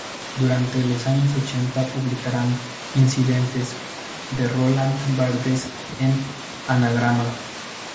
Durante los años ochenta publicará "Incidentes" de Roland Barthes en Anagrama.